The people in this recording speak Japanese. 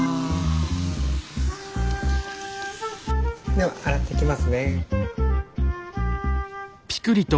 では洗っていきますね。